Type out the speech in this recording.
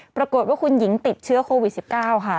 ปรากฏว่าคุณหญิงติดเชื้อโควิด๑๙ค่ะ